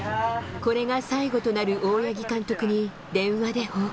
これが最後となる大八木監督に、電話で報告。